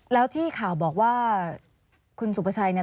แล้วที่ข่าวบอกว่าคุณสุภาชัยเนี่ย